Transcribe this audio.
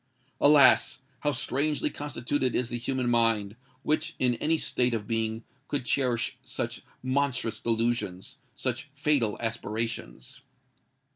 Alas! how strangely constituted is the human mind, which, in any state of being, could cherish such monstrous delusions—such fatal aspirations!